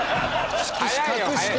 色紙隠して。